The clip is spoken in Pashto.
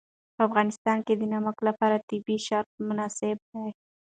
په افغانستان کې د نمک لپاره طبیعي شرایط مناسب دي.